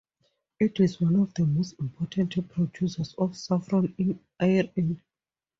It is one of the most important producers of saffron in Iran.